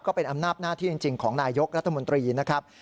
ก็เป็นอำนาจหน้าที่จริงของนายกรัฐมนตรีนะครับ